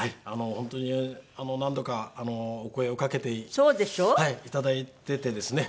本当に何度かお声を掛けていただいててですね